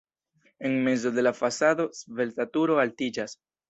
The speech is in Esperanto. En mezo de la fasado svelta turo altiĝas.